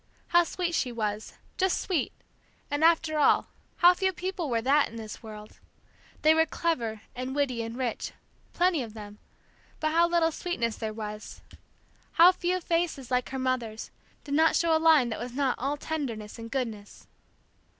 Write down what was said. How sweet she was, just sweet, and after all, how few people were that in this world! They were clever, and witty, and rich, plenty of them, but how little sweetness there was! How few faces, like her mother's, did not show a line that was not all tenderness and goodness.